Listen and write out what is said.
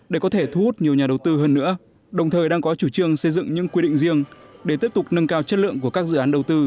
để có thể thu hút nhiều nhà đầu tư hơn nữa đồng thời đang có chủ trương xây dựng những quy định riêng để tiếp tục nâng cao chất lượng của các dự án đầu tư